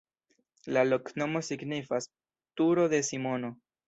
La loknomo signifas: turo de Simono.